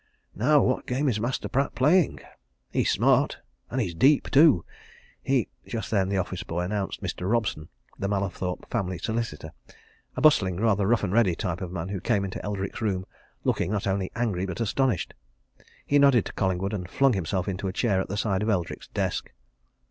Now, what game is Master Pratt playing? He's smart, and he's deep, too. He " Just then an office boy announced Mr. Robson, the Mallathorpe family solicitor, a bustling, rather rough and ready type of man, who came into Eldrick's room looking not only angry but astonished. He nodded to Collingwood, and flung himself into a chair at the side of Eldrick's desk.